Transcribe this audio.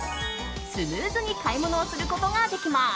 スムーズに買い物をすることができます。